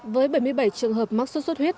với bảy mươi bảy trường hợp mắc sốt xuất huyết